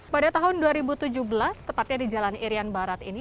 pada tahun dua ribu tujuh belas tepatnya di jalan irian barat ini